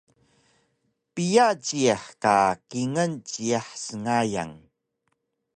Piya jiyax ka kingal iyax sngayan?